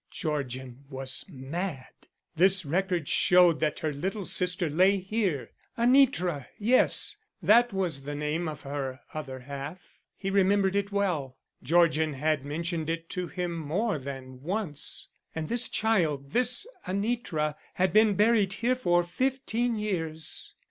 Georgian was mad. This record showed that her little sister lay here. Anitra, yes, that was the name of her other half. He remembered it well. Georgian had mentioned it to him more than once. And this child, this Anitra, had been buried here for fifteen years.